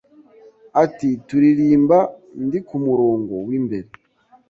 Ati Turirimba ndi ku murongo w’imbere,